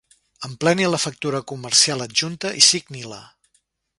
Empleni la factura comercial adjunta i signi-la.